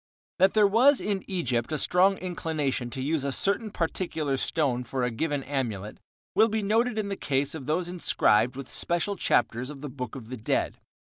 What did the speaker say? That there was in Egypt a strong inclination to use a certain particular stone for a given amulet, will be noted in the case of those inscribed with special chapters of the Book of the Dead.